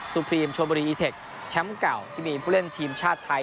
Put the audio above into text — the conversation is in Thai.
พรีมชวนบุรีอีเทคแชมป์เก่าที่มีผู้เล่นทีมชาติไทย